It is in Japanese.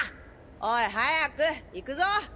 おい早く行くぞ！